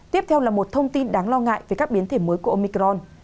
tiếp theo là một thông tin đáng lo ngại về các biến thể mới của omicron